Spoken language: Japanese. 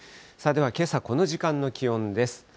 では、けさ、この時間の気温です。